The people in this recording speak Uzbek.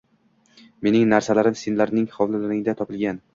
Mening narsalarim senlarning hovlingdan topilgan